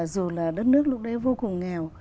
dù là đất nước lúc đấy vô cùng nghèo